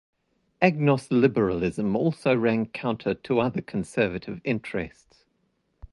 Agnos' liberalism also ran counter to other conservative interests.